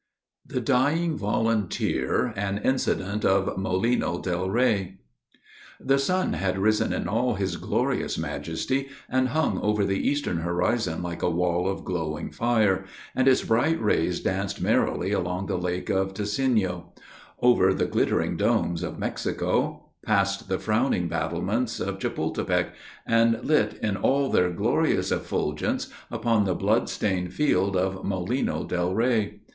THE DYING VOLUNTEER, AN INCIDENT OF MOLINO DEL REY. The sun had risen in all his glorious majesty, and hung over the eastern horizon like a wall of glowing fire; and its bright rays danced merrily along the lake of Teseneo over the glittering domes of Mexico past the frowning battlements of Chapultepec, and lit, in all their glorious effulgence, upon, the blood stained field of Molino del Rey.